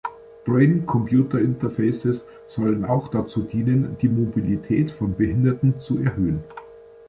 Brain-Computer-Interfaces sollen auch dazu dienen, die Mobilität von Behinderten zu erhöhen.